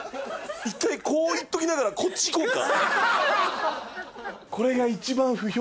一回こういっときながらこっちいこうか。